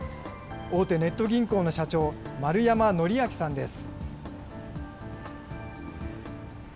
大手ネット銀行の社長、円山法昭さんです。